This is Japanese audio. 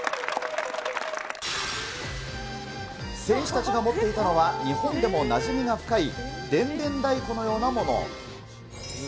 選手たちが持っていたのは、日本でもなじみが深い、でんでん太鼓のようなもの。